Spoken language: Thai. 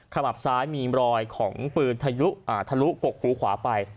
มับซ้ายมีรอยของปืนทะลุกกหูขวาไป